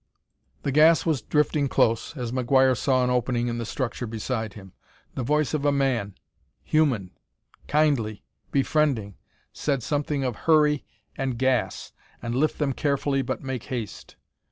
The gas was drifting close, as McGuire saw an opening in the structure beside him. The voice of a man, human, kindly, befriending, said something of "hurry" and "gas," and "lift them carefully but make haste."